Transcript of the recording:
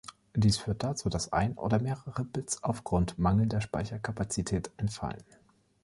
Dies führt dazu, dass ein oder mehrere Bits aufgrund mangelnder Speicherkapazität entfallen.